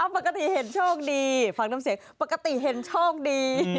ปกติเห็นโชคดีฟังน้ำเสียงปกติเห็นโชคดี